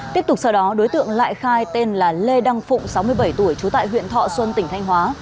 tiếp tục sau đó đối tượng lại khai tên là lê đăng phụng sáu mươi bảy tuổi trú tại huyện thọ xuân tỉnh thanh hóa